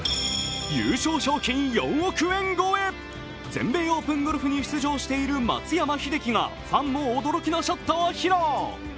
全米オープンゴルフに出場している松山英樹がファンも驚きのショットを披露。